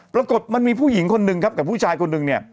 ปรากฏมันมีผู้หญิงคนหนึ่งครับกับผู้ชายคนหนึ่งเนี่ย